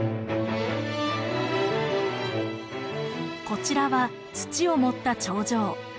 こちらは土を盛った長城。